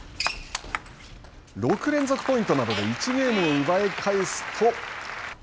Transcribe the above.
６連続ポイントなどで１ゲームを奪い返すと。